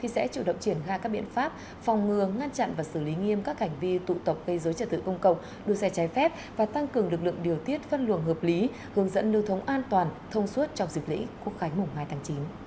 sẽ chủ động triển khai các biện pháp phòng ngừa ngăn chặn và xử lý nghiêm các hành vi tụ tập gây dối trật tự công cộng đua xe trái phép và tăng cường lực lượng điều tiết phân luồng hợp lý hướng dẫn lưu thống an toàn thông suốt trong dịp lễ quốc khánh mùng hai tháng chín